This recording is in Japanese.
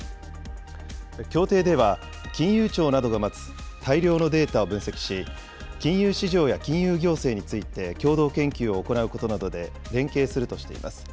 協定では、金融庁などが持つ大量のデータを分析し、金融市場や金融行政について共同研究を行うことなどで連携するとしています。